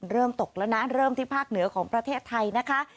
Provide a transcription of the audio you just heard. เริ่มตกแล้วนะเริ่มที่ภาคเหนือของประเทศไทยนะคะ